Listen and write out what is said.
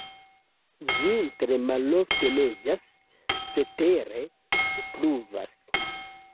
Vintre malofte neĝas, cetere pluvas.